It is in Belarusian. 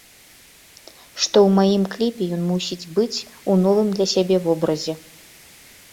Што ў маім кліпе ён мусіць быць у новым для сябе вобразе.